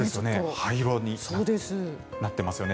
灰色になってますよね。